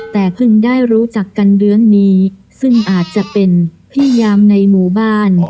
แต่เพิ่งได้รู้จักกันเรื่องนี้ซึ่งอาจจะเป็นพี่ยามในหมู่บ้าน